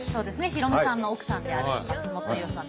ヒロミさんの奥さんである松本伊代さん。